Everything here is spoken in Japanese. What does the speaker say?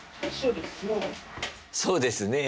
「そうですねえ」。